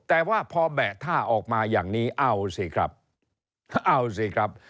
แต่ว่าพอแบะท่าออกมาอย่างนี้เอาสิครับเอาสิครับ